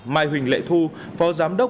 mai huỳnh lệ thu phó giám đốc